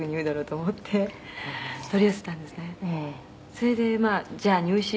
「それでまあじゃあ入試